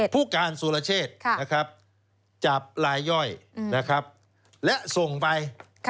ผู้การโจ๊กสุรเชษฐ์นะครับจับลายย่อยนะครับและส่งไป